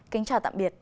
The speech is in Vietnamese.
kính chào tạm biệt